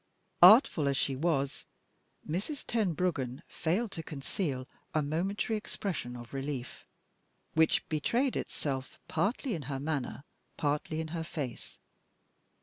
Artful as she was, Mrs. Tenbruggen failed to conceal a momentary expression of relief which betrayed itself, partly in her manner, partly in her face.